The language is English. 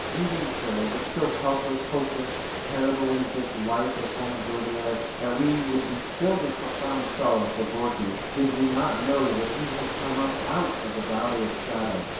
Even so, but so helpless, hopeless, terrible is this life of Foma Gordyeeff that we would be filled with profound sorrow for Gorky did we not know that he has come up out of the Valley of Shadow.